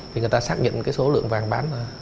thì người ta xác nhận số lượng vàng bán